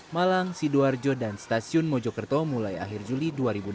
malang sidoarjo dan stasiun mojokerto mulai akhir juli dua ribu dua puluh